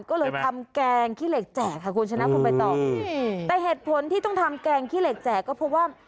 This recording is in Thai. ก็เลยทำแกงขี้เหล็กแจกแต่เหตุผลที่ต้องทำแกงขี้เหล็กแจกก็เพราะว่า